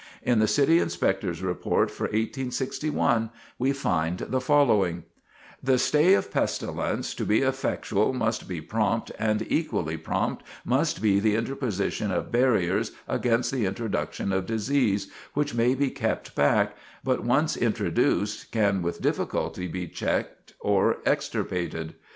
In the City Inspector's report for 1861 we find the following: "The stay of pestilence, to be effectual, must be prompt, and equally prompt must be the interposition of barriers against the introduction of disease, which may be kept back, but, once introduced, can with difficulty be checked or extirpated.